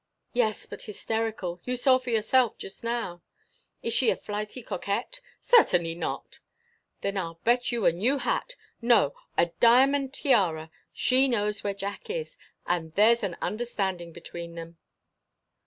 "Yes; but hysterical. You saw for yourself, just now." "Is she a flighty coquette?" "Certainly not!" "Then I 'll bet you a new hat—No! a diamond tiara!—she knows where Jack is, and there 's an understanding between them!"